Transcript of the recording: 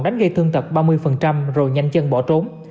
đánh gây thương tật ba mươi rồi nhanh chân bỏ trốn